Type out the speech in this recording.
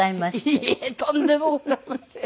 いえとんでもございません。